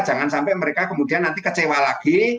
jangan sampai mereka kemudian nanti kecewa lagi